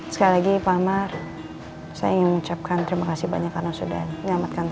sekali lagi pak amar saya ingin mengucapkan terima kasih banyak karena sudah menyelamatkan